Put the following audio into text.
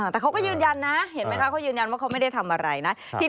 แต่เขาก็ยืนยันนะเห็นไหมคะเขายืนยันว่าเขาไม่ได้ทำอะไรนะ